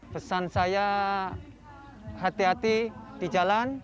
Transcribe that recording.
pesan saya hati hati di jalan